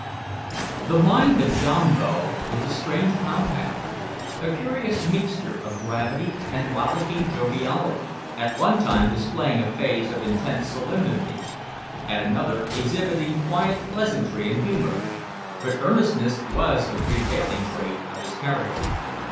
The mind of Yambo was a strange compound a curious mixture of gravity and rollicking joviality; at one time displaying a phase of intense solemnity; at another exhibiting quiet pleasantry and humour, but earnestness was the prevailing trait of his character.